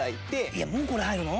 いやもうこれ入るの？